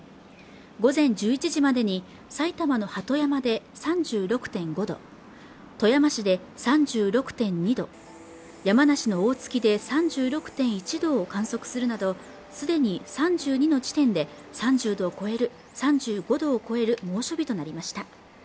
午前１１時までに埼玉の鳩山で３６．５度富山市で３６．２度山梨の大月で３６．１度を観測するなどすでに３２の地点で３５度を超える猛暑日となりました